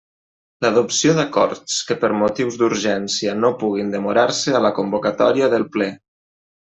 L'adopció d'acords que per motius d'urgència no puguin demorar-se a la convocatòria del Ple.